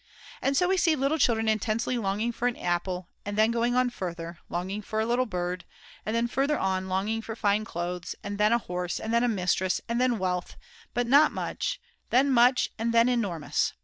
And so we see little children intensely longing for an apple, and then going on further, longing for a little bird, and then further on longing for fine clothes, and then a horse, and then a mistress, and then wealth, but not much, then much and then enormous.